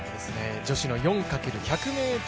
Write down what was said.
女子の４×１００ｍ